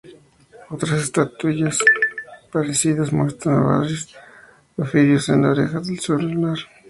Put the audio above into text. Otras estatuillas parecidas muestran varios orificios en las orejas en lugar de uno solo.